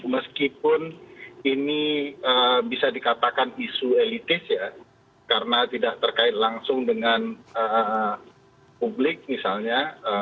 meskipun ini bisa dikatakan isu elitis ya karena tidak terkait langsung dengan publik misalnya